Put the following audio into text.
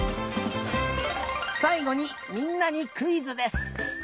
さいごにみんなにクイズです。